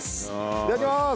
いただきます。